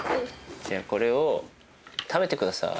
じゃあこれを食べてください。